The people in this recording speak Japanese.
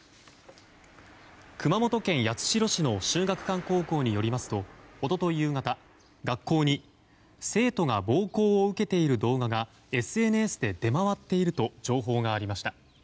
熊本県八代市の秀岳館高校によりますと一昨日夕方、学校に生徒が暴行を受けている動画がＳＮＳで出回っていると情報がありました。